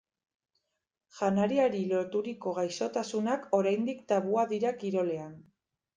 Janariari loturiko gaixotasunak oraindik tabua dira kirolean.